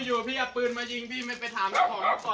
อยู่พี่เอาปืนมายิงไปทำทหารก่อนอะ